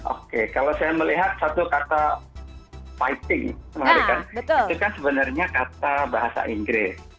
oke kalau saya melihat satu kata fighting itu kan sebenarnya kata bahasa inggris